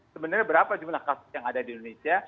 sebenarnya berapa jumlah kasus yang ada di indonesia